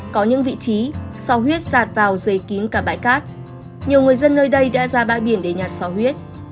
có những vị trí sò huyết giạt vào rầy kín cả bãi cát nhiều người dân nơi đây đã ra bãi biển để nhặt sò huyết